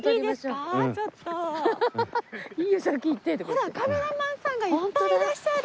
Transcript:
ほらカメラマンさんがいっぱいいらっしゃる。